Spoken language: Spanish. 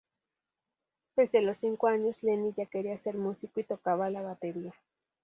Desde los cinco años Lenny ya quería ser músico y tocaba la batería.